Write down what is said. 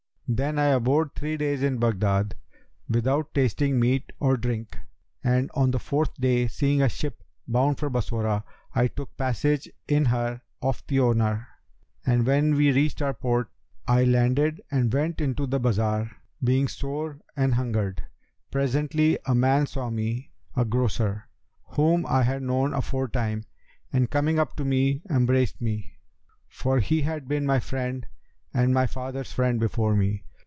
Then I abode three days in Baghdad, without tasting meat or drink, and on the fourth day seeing a ship bound for Bassorah, I took passage in her of the owner, and when we reached our port, I landed and went into the bazar, being sore anhungered. Presently, a man saw me, a grocer, whom I had known aforetime, and coming up to me, embraced me, for he had been my friend and my father's friend before me.